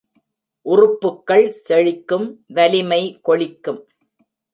உறுப்புக்கள் செழிக்கும், வலிமை கொழிக்கும்.